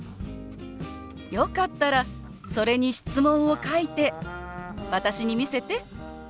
よかったらそれに質問を書いて私に見せて。